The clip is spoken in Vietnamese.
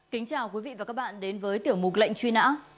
kính chào quý vị và các bạn đến với tiểu mục lệnh truy nã